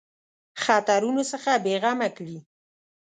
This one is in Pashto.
خطرونو څخه بېغمه کړي.